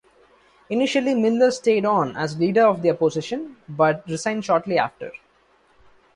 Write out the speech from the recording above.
Initially Miller stayed on as leader of the opposition, but resigned shortly after.